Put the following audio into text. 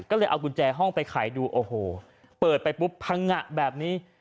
ก็เลยเอากุญแจห้องไปขายดูโอ้โหเปิดไปปุ๊บพังงะแบบนี้